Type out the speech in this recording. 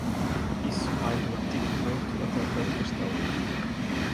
Isso vai do antigo porto até o pé do castelo.